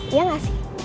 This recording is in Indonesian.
iya gak sih